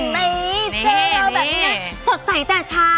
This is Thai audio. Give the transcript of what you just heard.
เฮ้อที่เจอเราแบบนั้นสดใสแต่ช้า